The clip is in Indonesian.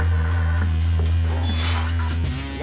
saya mau mandi